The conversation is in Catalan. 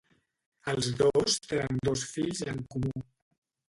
Els dos tenen dos fills en comú.